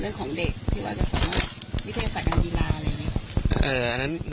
เรื่องของเด็กวิทยาศาสตร์การวีลาอะไรอย่างนี้เอ่อ